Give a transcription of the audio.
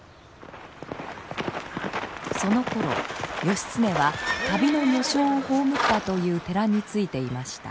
そのころ義経は旅の女性を葬ったという寺に着いていました。